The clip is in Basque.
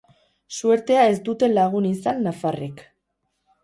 Suertea ez dute lagun izan nafarrek.